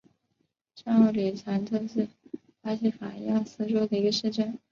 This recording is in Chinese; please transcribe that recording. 上奥里藏特是巴西戈亚斯州的一个市镇。